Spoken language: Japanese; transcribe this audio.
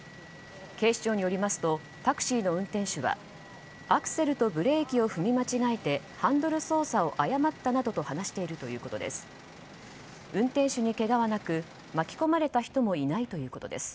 警視庁によりますとタクシーの運転手はアクセルとブレーキを踏み間違えてハンドル操作を誤ったなどと話しているそうです。